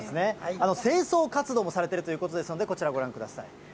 清掃活動もされてるということですので、こちらをご覧ください。